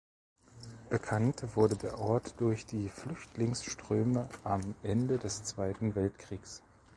Bekannt wurde der Ort durch die Flüchtlingsströme am Ende des Zweiten Weltkriegs.